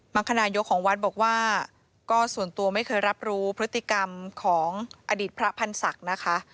คนายกของวัดบอกว่าก็ส่วนตัวไม่เคยรับรู้พฤติกรรมของอดีตพระพันธ์ศักดิ์นะคะ